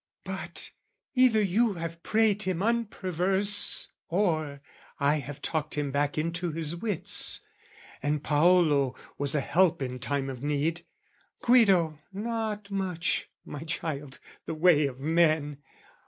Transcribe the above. "But either you have prayed him unperverse "Or I have talked him back into his wits: "And Paolo was a help in time of need, "Guido, not much my child, the way of men!